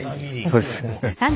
そうです。